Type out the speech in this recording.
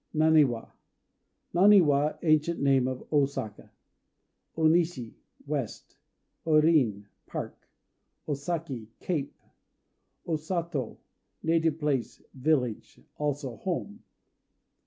Naniwa "Naniwa," ancient name of Ôsaka. O Nishi "West." O Rin "Park." O Saki "Cape." O Sato "Native Place," village, also, home.